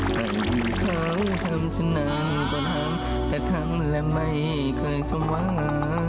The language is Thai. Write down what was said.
ใครที่เขาทำชนังก็ทำแต่ทำแล้วไม่เคยสว่าง